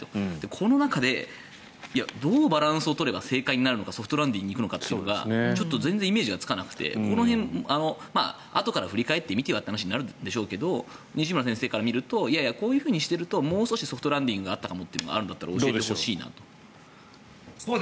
この中でどうバランスを取れば正解になるのかソフトランディングにいくのかが全然イメージがつかなくてこの辺はあとから振り返ってみてという話になるでしょうけど西村先生から見るといやいやこうするともう少しソフトランディングになったというのがあればどうでしょう。